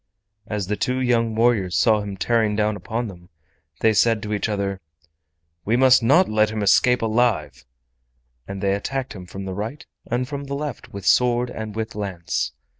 As the two young warriors saw him tearing down upon them, they said to each other: "We must not let him escape alive," and they attacked him from the right and from the left with sword and with lance.